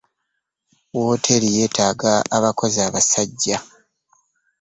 Wooteri yetaaga abakozi abasajja .